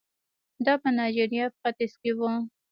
دا په نایجریا په ختیځ کې وو.